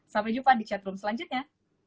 sampai jumpa di chat room selanjutnya